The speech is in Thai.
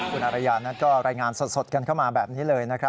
คุณอารยานั้นก็รายงานสดกันเข้ามาแบบนี้เลยนะครับ